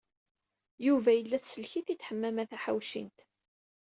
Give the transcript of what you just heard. Yuba yella teslek-it-id Ḥemmama Taḥawcint.